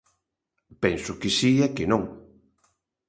Penso que si e que non.